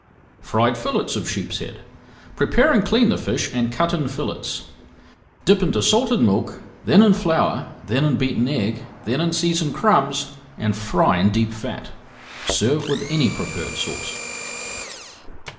FRIED FILLETS OF SHEEPSHEAD Prepare and clean the fish and cut in fillets. Dip into salted milk, then in flour, then in beaten egg, then in seasoned crumbs, and fry in deep fat. Serve with any preferred sauce.